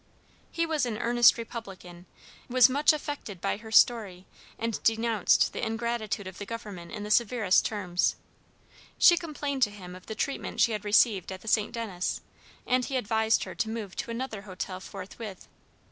He was an earnest Republican, was much affected by her story, and denounced the ingratitude of the government in the severest terms. She complained to him of the treatment she had received at the St. Denis, and he advised her to move to another hotel forthwith.